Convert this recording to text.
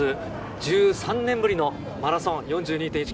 １３年ぶりのマラソン、４２．１９５